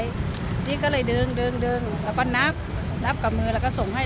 อันนี้ก็เลยดึงแล้วก็นับกับมือแล้วก็ส่งให้